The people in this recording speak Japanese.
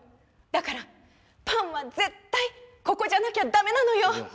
だからパンは絶対ここじゃなきゃダメなのよ！